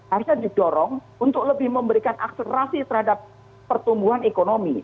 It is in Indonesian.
harusnya didorong untuk lebih memberikan akselerasi terhadap pertumbuhan ekonomi